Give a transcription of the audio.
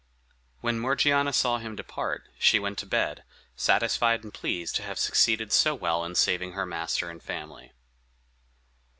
When Morgiana saw him depart, she went to bed, satisfied and pleased to have succeeded so well in saving her master and family.